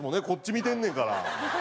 こっち見てんねんから。